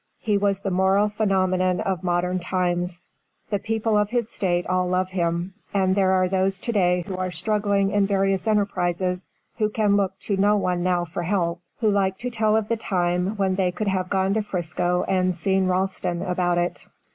He was the moral phenomenon of modern times. The people of his State all love him, and there are those to day who are struggling in various enterprises who can look to no one now for help, who like to tell of the time 'when they could have gone to 'Frisco and seen Ralston about it.'